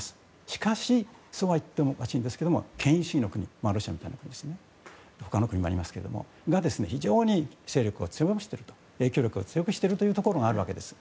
しかし、そうはいっても権威主義の国、ロシアみたいな他の国もありますけど非常に勢力を強めていると影響力を強くしているところがあるわけです。